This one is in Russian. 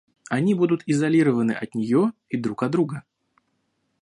Они будут изолированы от нее и друг от друга